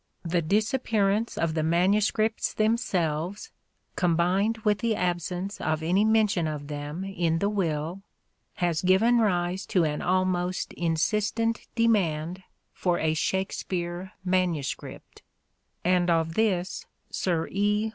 The disappearance of the manuscripts themselves, combined with the absence of any mention of them in the will, has given rise to an almost insistent demand for a " Shakespeare " manuscript, and of this Sir E.